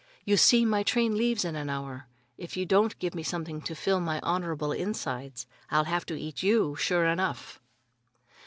You see, my train leaves in an hour. If you don't give me something to fill my honorable insides, I'll have to eat you, sure enough."